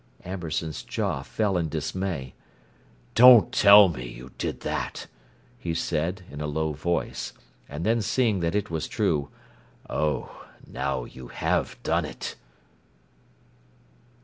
Amberson's jaw fell in dismay. "Don't tell me you did that!" he said, in a low voice; and then, seeing that it was true, "Oh, now you have done it!"